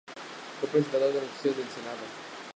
Fue presentador del noticiero del Senado.